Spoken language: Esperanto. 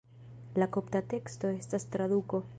La kopta teksto estas traduko.